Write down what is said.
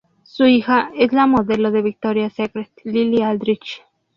Su hija es la modelo de Victoria's Secret Lily Aldridge.